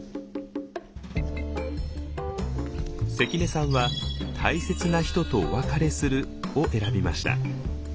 関根さんは「大切な人とお別れする」を選びました。